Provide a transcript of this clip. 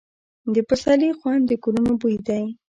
د پسرلي خوند د ګلونو بوی دی.